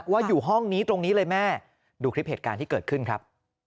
ว่าอยู่ห้องนี้ตรงนี้เลยแม่ดูคลิปเหตุการณ์ที่เกิดขึ้นครับ